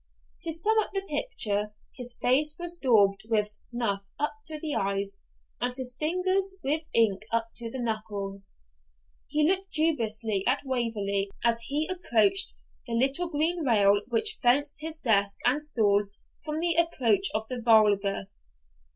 To sum up the picture, his face was daubed with snuff up to the eyes, and his fingers with ink up to the knuckles. He looked dubiously at Waverley as he approached the little green rail which fenced his desk and stool from the approach of the vulgar.